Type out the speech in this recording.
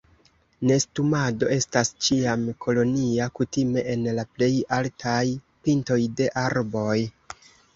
Nestumado estas ĉiam kolonia, kutime en la plej altaj pintoj de arboj.